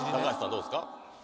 どうですか？